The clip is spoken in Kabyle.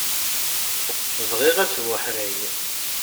Bɣiɣ asbuḥray.